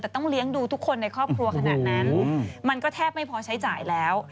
แต่ต้องเลี้ยงดูทุกคนในครอบครัวขนาดนั้นมันก็แทบไม่พอใช้จ่ายแล้ว